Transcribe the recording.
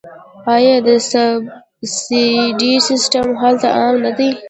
آیا د سبسایډي سیستم هلته عام نه دی؟